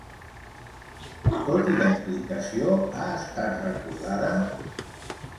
Tot i la implicació, ha estat recordada?